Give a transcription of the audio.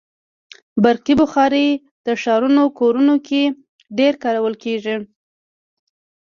برقي بخاري د ښارونو کورونو کې ډېره کارول کېږي.